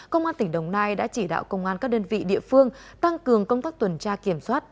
công an tỉnh đồng nai đã chỉ đạo công an các đơn vị địa phương tăng cường công tác tuần tra kiểm soát